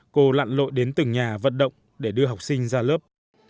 họ lộ đến từng nhà vận động để đưa học sinh ra lớp